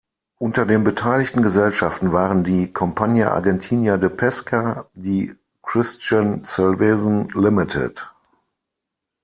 Unter den beteiligten Gesellschaften waren die "Compañía Argentina de Pesca", die "Christian Salvesen Ltd.